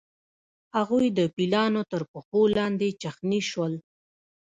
هغوی د پیلانو تر پښو لاندې چخڼي شول.